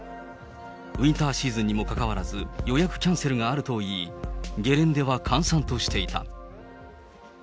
ウィンターシーズンにもかかわらず、予約キャンセルがあるといい、ゲレンデは閑散としていた。